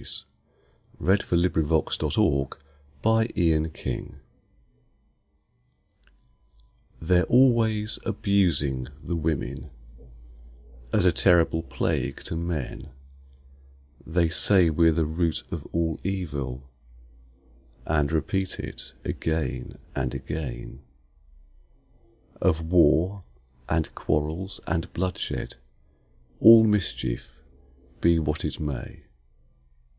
_ CHORUS OF WOMEN FROM THE "THESMOPHORIAZUSÆ." They're always abusing the women, As a terrible plague to men; They say we're the root of all evil, And repeat it again and again Of war, and quarrels, and bloodshed, All mischief, be what it may.